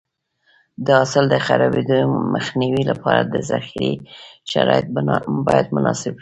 د حاصل د خرابېدو مخنیوي لپاره د ذخیرې شرایط باید مناسب وي.